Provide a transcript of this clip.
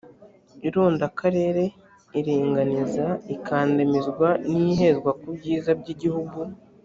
irondakarere iringaniza ikandamizwa n ihezwa ku byiza by igihugu